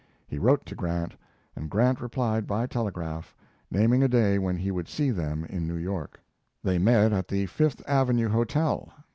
He wrote to Grant, and Grant replied by telegraph, naming a day when he would see them in New York. They met at the Fifth Avenue Hotel.